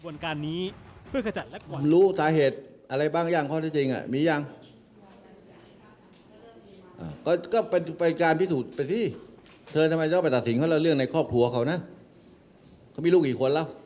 น้ำพริกอีกปลาทูอีกอะไรอีก